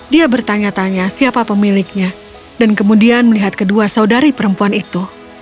dia bertanya tanya siapa pemiliknya dan kemudian melihat kedua saudari perempuan itu